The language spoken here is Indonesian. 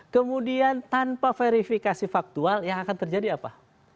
kemudian tanpa verifikasi faktual yang akan terjadi apa